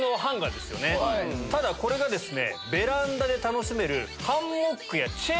ただこれがベランダで楽しめる。